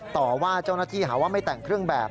ต่อว่าเจ้าหน้าที่หาว่าไม่แต่งเครื่องแบบ